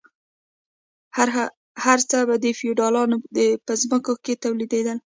هر څه به د فیوډالانو په ځمکو کې تولیدیدل.